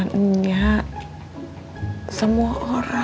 terus sama buku